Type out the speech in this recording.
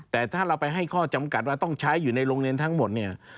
แต่ถ้าเราไปให้ข้อจำกัดว่าต้องใช้อยู่ในโรงเรียนทั้งหมดเนี่ย